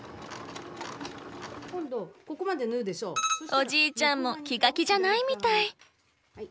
おじいちゃんも気が気じゃないみたい。